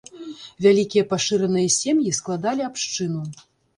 Вялікія пашыраныя сем'і складалі абшчыну.